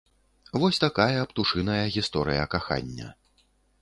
Вось такая птушыная гісторыя кахання.